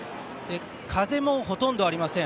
風もほとんどありません。